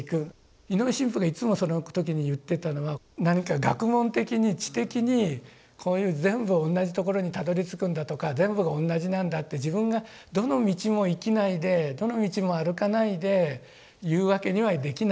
井上神父がいつもその時に言ってたのは何か学問的に知的にこういう全部同じところにたどりつくんだとか全部が同じなんだって自分がどの道も生きないでどの道も歩かないでいうわけにはできない。